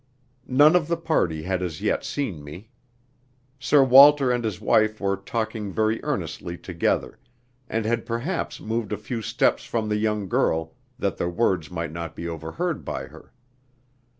None of the party had as yet seen me. Sir Walter and his wife were talking very earnestly together, and had perhaps moved a few steps from the young girl that their words might not be overheard by her.